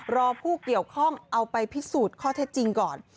รอผู้เกี่ยวข้องเอาไปพิสูจน์ข้อเท็จจริงก่อน